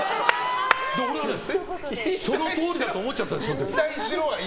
俺はそのとおりだと思っちゃったその時。